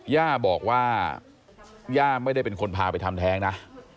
ย่าบอกว่าย่าไม่ได้เป็นคนพาไปทำแท้งนะ